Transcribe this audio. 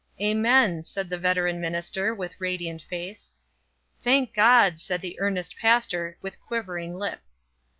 "Amen," said the veteran minister, with radiant face. "Thank God," said the earnest pastor, with quivering lip.